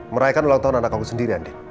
meraikan ulang tahun anak kamu sendiri andin